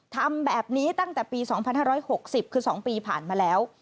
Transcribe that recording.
ทำแบบนี้ตั้งแต่ปี๒๕๖๐คือ๒ปีผ่านมาแล้ว